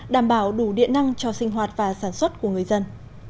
đảm bảo đủ điện năng cho sinh hoạt và sản xuất của người dân